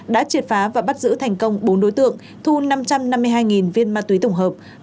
đã triệt phá và bắt giữ thành công bốn đối tượng thu năm trăm năm mươi hai viên ma túy tổng hợp